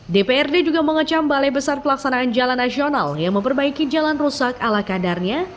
dprd juga mengecam balai besar pelaksanaan jalan nasional yang memperbaiki jalan rusak ala kadarnya